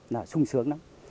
là sung sướng lắm